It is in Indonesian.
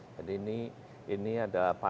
jadi ini ini adalah panel panel